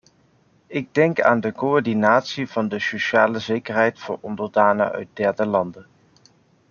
Ik denk aan de coördinatie van de sociale zekerheid voor onderdanen uit derde landen.